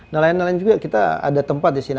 nelayan nelayan juga kita ada tempat disini